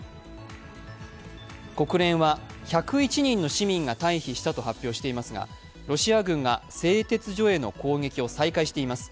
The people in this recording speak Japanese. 国連は１０１人の市民が退避したと発表していますがロシア軍は、製鉄所への攻撃を再開しています。